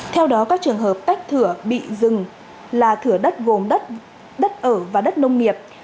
theo đó các trường hợp tách thửa bị dừng là thửa đất gồm đất ở và đất nông nghiệp